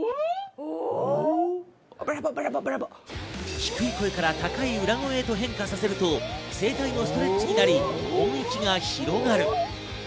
低い声から高い裏声へと変化させると声帯のストレッチになり、音域が広がる。